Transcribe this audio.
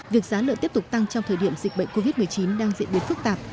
việc giá lợn tiếp tục tăng trong thời điểm dịch bệnh covid một mươi chín đang diễn biến phức tạp